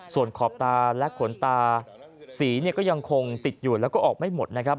ส่วนขอบตาและขนตาสีเนี่ยก็ยังคงติดอยู่แล้วก็ออกไม่หมดนะครับ